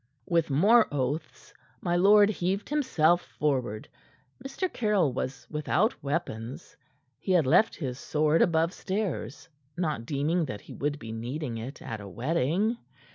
With more oaths, my lord heaved himself forward. Mr. Caryll was without weapons. He had left his sword above stairs, not deeming that he would be needing it at a wedding.